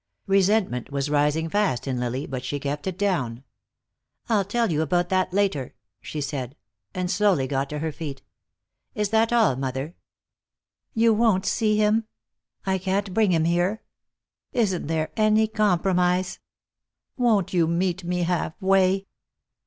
Resentment was rising fast in Lily, but she kept it down. "I'll tell you about that later," she said, and slowly got to her feet. "Is that all, mother? You won't see him? I can't bring him here? Isn't there any compromise? Won't you meet me half way?"